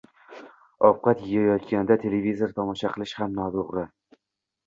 Ovqat yeyayotganda televizor tomosha qilish ham noto‘g‘ri.